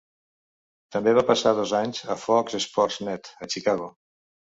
També va passar dos anys a Fox Sports Net a Chicago.